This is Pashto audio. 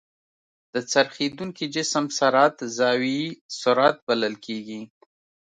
د څرخېدونکي جسم سرعت زاويي سرعت بلل کېږي.